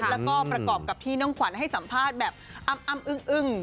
แล้วก็ประกอบกับที่น้องขวัญให้สัมภาษณ์แบบอ้ำอึ้ง